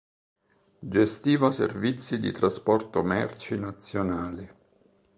Gestiva servizi di trasporto merci nazionali.